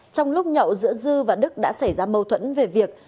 trong lúc nhậu giữa dư và đức đã xảy ra mâu thuẫn về việc